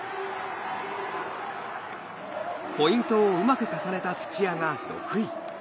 ポイントをうまく重ねた土屋が６位。